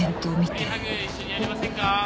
一緒にやりませんか？